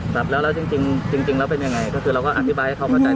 แบบแล้วแล้วจริงจริงจริงจริงแล้วเป็นยังไงก็คือเราก็อธิบายให้เขาเข้าใจตลอด